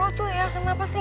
oh tuh ya kenapa sih